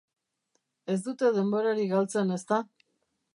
Ez dute denborarik galtzen, ezta?